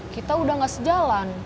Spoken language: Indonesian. kita udah gak sejalan